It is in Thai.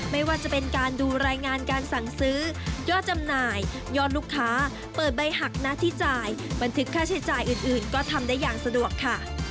ไม่ว่าจะเป็นการดูรายงานการสั่งซื้อยอดจำหน่ายยอดลูกค้าเปิดใบหักหน้าที่จ่ายบันทึกค่าใช้จ่ายอื่นก็ทำได้อย่างสะดวกค่ะ